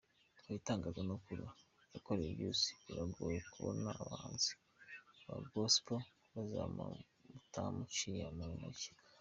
Mu bitangazamakuru yakoreye byose, biragoye kubona abahanzi ba Gospel bazamutse batamuciye mu ntoki.